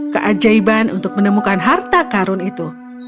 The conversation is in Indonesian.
keajaiban untuk menemukan harta karun itu